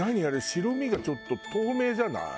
白身がちょっと透明じゃない？